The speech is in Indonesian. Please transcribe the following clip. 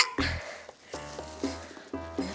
tuh anak ya